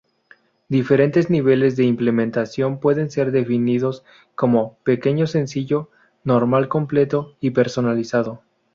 Diferentes niveles de implementación pueden ser definidos, como: pequeño, sencillo, normal, completo y personalizado.